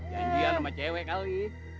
janjian sama cewek kali